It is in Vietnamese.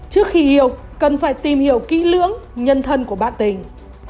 trước khi yêu cần phải tìm hiểu kỹ lưỡng nhân thân của bạn tình